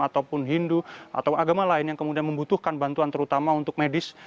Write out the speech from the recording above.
ataupun hindu atau agama lain yang kemudian membutuhkan bantuan terutama untuk medis